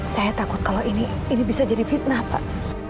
saya takut kalau ini bisa jadi fitnah pak